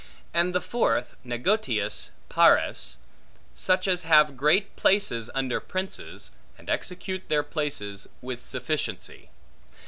And the fourth, negotiis pares; such as have great places under princes, and execute their places, with sufficiency.